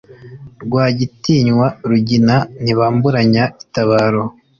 Rwagitinywa rugina ntibamburanya itabaro,